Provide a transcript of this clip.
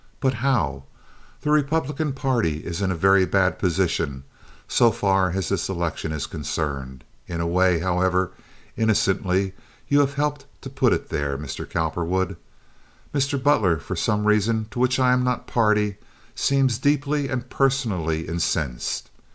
But how? The Republican party is in a very bad position, so far as this election is concerned. In a way, however innocently, you have helped to put it there, Mr. Cowperwood. Mr. Butler, for some reason to which I am not a party, seems deeply and personally incensed.